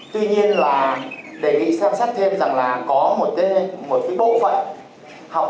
tuy nhiên là để nghĩ xem xét thêm rằng là có một cái bộ phận